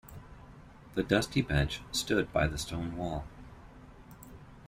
The dusty bench stood by the stone wall.